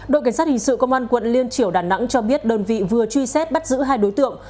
đội cảnh sát hình sự công an quận liên triểu đà nẵng cho biết đơn vị vừa truy xét bắt giữ hai đối tượng